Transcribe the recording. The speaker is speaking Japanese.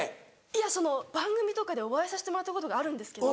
いや番組とかでお会いさせてもらったことがあるんですけど。